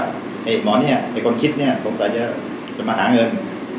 มีเมื่อนี้คนคิดนี้ผมคงต้องมาหาเงิน